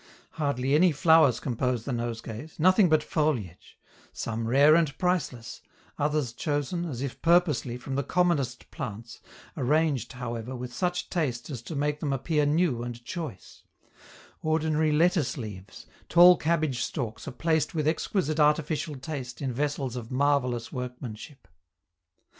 Hardly any flowers compose the nosegays, nothing but foliage some rare and priceless, others chosen, as if purposely, from the commonest plants, arranged, however, with such taste as to make them appear new and choice; ordinary lettuce leaves, tall cabbage stalks are placed with exquisite artificial taste in vessels of marvellous workmanship.